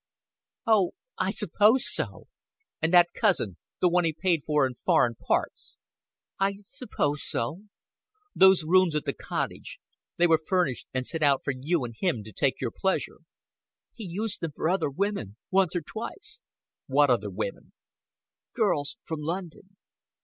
"Oh, I suppose so." "And that cousin the one he paid for in foreign parts?" "I suppose so." "Those rooms at the Cottage. They were furnished and set out for you and him to take your pleasure." "He used them for other women once or twice." "What other women?" "Girls from London."